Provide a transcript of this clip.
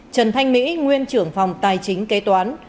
trần thanh mỹ nguyên trưởng phòng tài chính kế toán